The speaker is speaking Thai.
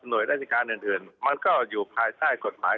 หน่วยด้านนิการอย่างอื่นมันก็อยู่ภายใต้กฎหมาย